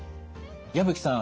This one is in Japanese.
矢吹さん